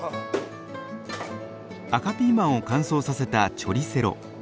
赤ピーマンを乾燥させたチョリセロ。